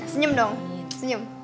senyum dong senyum